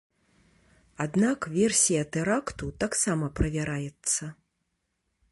Аднак версія тэракту таксама правяраецца.